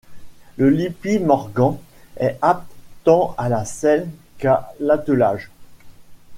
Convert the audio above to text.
Le Lippitt Morgan est apte tant à la selle qu'à l'attelage.